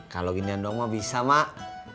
kalau gini doang mak bisa mak